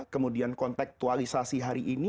kemudian konteksualisasi hari ini